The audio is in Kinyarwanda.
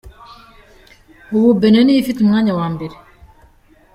Ubu Benin niyo ifite umwanya wa mbere.